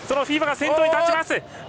フィーバが先頭に立ちます。